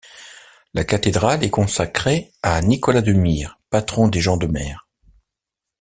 La cathédrale est consacrée à Nicolas de Myre, patron des gens de mer.